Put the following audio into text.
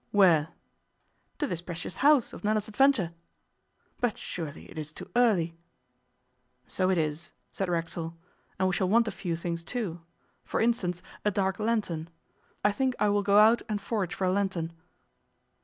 'Where?' 'To this precious house of Nella's adventure.' 'But surely it is too early?' 'So it is,' said Racksole, 'and we shall want a few things, too. For instance, a dark lantern. I think I will go out and forage for a lantern.